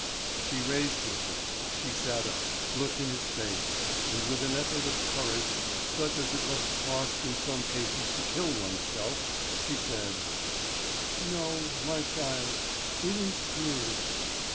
She raised herself, she sat up, looked in his face, and with an effort of courage such as it must cost in some cases to kill one's self, she said: "No, my child; it is true."